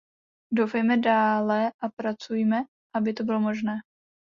Doufejme dále a pracujme, aby to bylo možné.